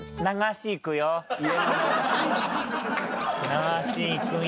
流し行くよ。